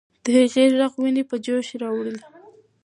د هغې ږغ ويني په جوش راوړلې.